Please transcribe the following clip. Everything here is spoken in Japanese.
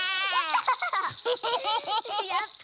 やった！